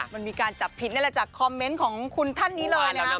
มันมีการจับพิษได้เลยจากคอมเม้นท์ของคุณท่านนี้เลยนะครับ